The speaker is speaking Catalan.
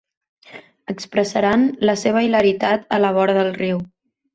Expressaran la seva hilaritat a la vora del riu.